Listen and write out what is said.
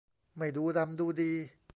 ไม่ดูดำดูดี